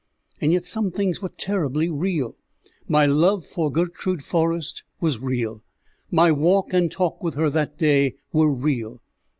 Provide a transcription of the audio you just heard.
And yet some things were terribly real. My love for Gertrude Forrest was real; my walk and talk with her that day were real.